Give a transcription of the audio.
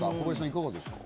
いかがですか？